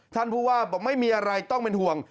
ท่านผู้ว่าบอกไม่มีอะไรต้องเป็นห่วง